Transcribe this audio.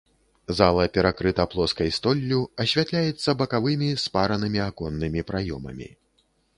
Зала перакрыта плоскай столлю, асвятляецца бакавымі спаранымі аконнымі праёмамі.